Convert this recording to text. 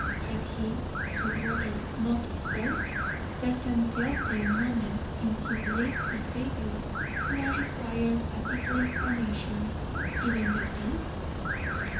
Had he, Sweetwater, not observed certain telltale moments in his late behaviour that required a deeper explanation even than this?